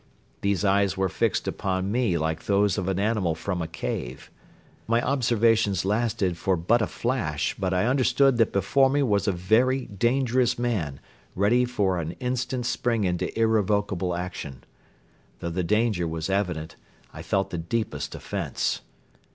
These eyes were fixed upon me like those of an animal from a cave. My observations lasted for but a flash but I understood that before me was a very dangerous man ready for an instant spring into irrevocable action. Though the danger was evident, I felt the deepest offence.